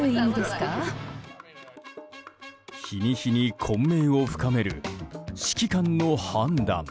日に日に混迷を深める指揮官の判断。